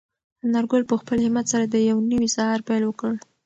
انارګل په خپل همت سره د یو نوي سهار پیل وکړ.